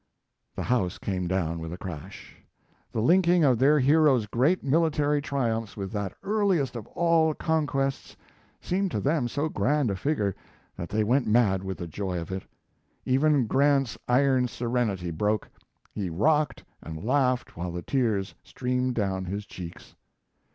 The house came down with a crash. The linking of their hero's great military triumphs with that earliest of all conquests seemed to them so grand a figure that they went mad with the joy of it. Even Grant's iron serenity broke; he rocked and laughed while the tears streamed down his cheeks.